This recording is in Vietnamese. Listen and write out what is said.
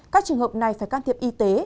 các trường hợp này phải can thiệp y tế